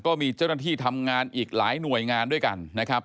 ก็มีเจ้าหน้าที่ทำงานอีกหลายหน่วยงานด้วยกันนะครับ